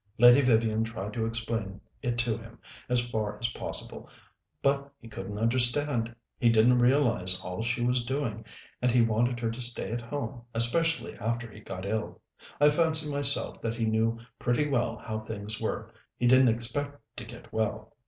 Lady Vivian tried to explain it to him as far as possible, but he couldn't understand. He didn't realize all she was doing, and he wanted her to stay at home, especially after he got ill. I fancy myself that he knew pretty well how things were he didn't expect to get well."